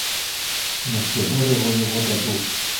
На всі гори воєвода був.